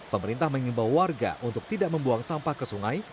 pemerintah mengimbau warga untuk tidak membuang sampah ke sungai